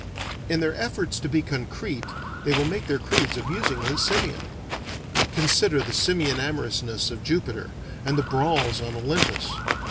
In their efforts to be concrete they will make their creeds amusingly simian. Consider the simian amorousness of Jupiter, and the brawls on Olympus.